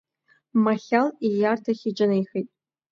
Махьал ииарҭахь иҿынеихеит.